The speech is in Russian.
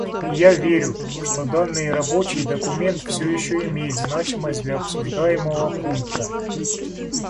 И я верю, что данный рабочий документ все еще имеет значимость для обсуждаемого пункта.